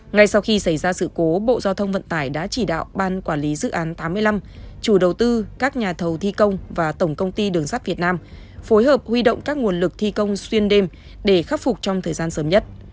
ngay sau khi xảy ra sự cố bộ giao thông vận tải đã chỉ đạo ban quản lý dự án tám mươi năm chủ đầu tư các nhà thầu thi công và tổng công ty đường sắt việt nam phối hợp huy động các nguồn lực thi công xuyên đêm để khắc phục trong thời gian sớm nhất